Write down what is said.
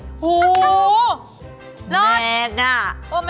โอ้โฮโอ้โฮ